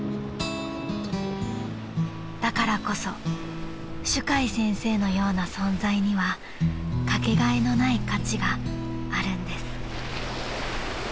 ［だからこそ朱海先生のような存在にはかけがえのない価値があるんです］